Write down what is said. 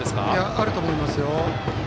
あると思いますよ。